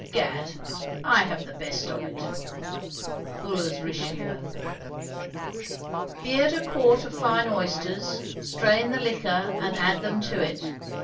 Gad, I have the best of it. BULWER'S RICHELIEU. Beard a quart of fine oysters, strain the liquor and add them to it.